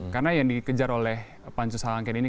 karena yang dikejar oleh pansus halangken ini